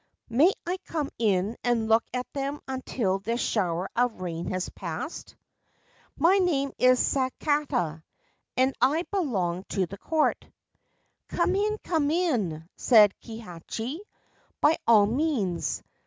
' May I come in and look at them until this shower of rain has passed ? My name is Sakata, and I belong to the court/ c Come in, come in/ said Kihachi, < by all means.